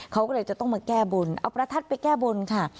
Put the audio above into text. เขาก็เลยจะต้องมาแก้บนเอาประทัดไปแก้บนค่ะ